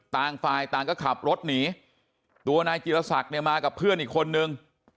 ต่างฝ่ายต่างก็ขับรถหนีตัวนายจิรศักดิ์เนี่ยมากับเพื่อนอีกคนนึง